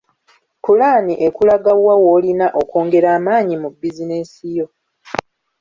Pulaani ekulaga wa w’olina okwongera amaanyi mu bizinensi yo.